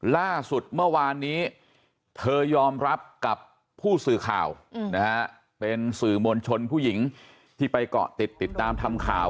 ล่าสุดเมื่อวานนี้เธอยอมรับกับผู้สื่อข่าวนะฮะเป็นสื่อมวลชนผู้หญิงที่ไปเกาะติดติดตามทำข่าว